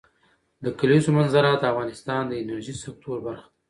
د کلیزو منظره د افغانستان د انرژۍ سکتور برخه ده.